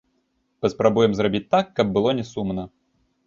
Паспрабуем зрабіць так, каб было не сумна.